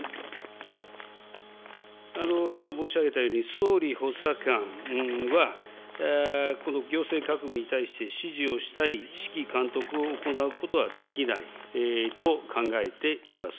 今も申し上げたように、総理補佐官は、この行政各部に対して指示をしたり指揮監督を行うことはできないと考えています。